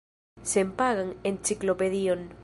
Senpagan enciklopedion.